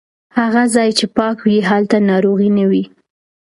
هغه ځای چې پاک وي هلته ناروغي نه وي.